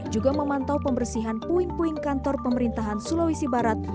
juga memantau pembersihan puing puing kantor pemerintahan sulawesi barat